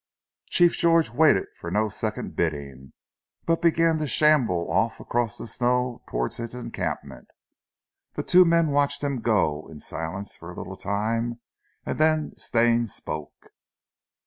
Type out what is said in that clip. Chief George waited for no second bidding, but began to shamble off across the snow towards his encampment. The two men watched him go, in silence for a little time, and then Stane spoke.